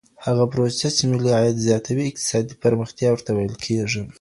هغه پروسه چي ملي عايد زياتوي اقتصادي پرمختيا ورته ويل کېږي.